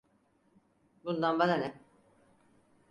Bundan bana ne?